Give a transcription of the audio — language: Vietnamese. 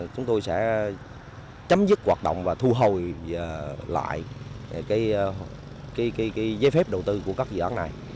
chúng tôi sẽ chấm dứt hoạt động và thu hồi lại giấy phép đầu tư của các dự án này